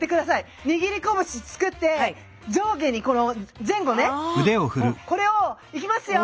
握り拳作って上下にこの前後ねこれをいきますよ！